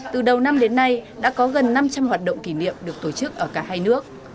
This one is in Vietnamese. từ đầu năm đến nay đã có gần năm trăm linh hoạt động kỷ niệm được tổ chức ở cả hai nước